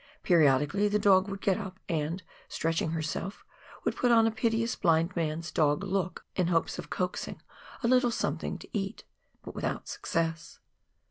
Periodically the dog would get up, and, stretching herself, would put on a piteous blind man's dog look in hopes of coaxing a little something to eat, but without success.